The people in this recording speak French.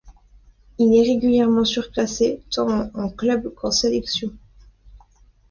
Il est régulièrement surclassé tant en club qu'en sélection.